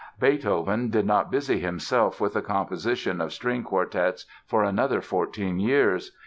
Beethoven did not busy himself with the composition of string quartets for another fourteen years.